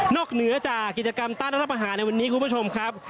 เหนือจากกิจกรรมต้านรัฐประหารในวันนี้คุณผู้ชมครับ